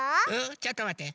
ちょっとまって。